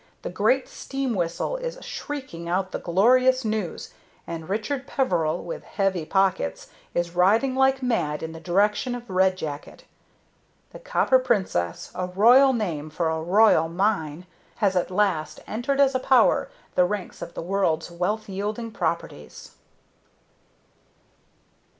The great steam whistle is shrieking out the glorious news, and Richard Peveril, with heavy pockets, is riding like mad in the direction of Red Jacket. The Copper Princess a royal name for a royal mine has at last entered as a power the ranks of the world's wealth yielding properties.